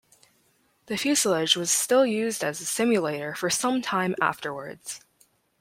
The fuselage was still used as a simulator for some time afterwards.